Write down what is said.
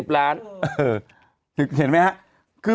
๒๐ล้านเออเห็นมั้ยฮ่ะ